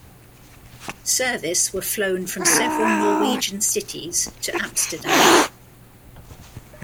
Service were flown from several Norwegian cities to Amsterdam.